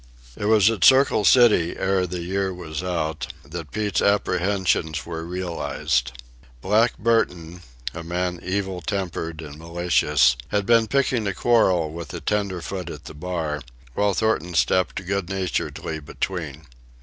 It was at Circle City, ere the year was out, that Pete's apprehensions were realized. "Black" Burton, a man evil tempered and malicious, had been picking a quarrel with a tenderfoot at the bar, when Thornton stepped good naturedly between.